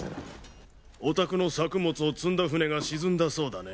お宅の作物を積んだ船が沈んだそうだね。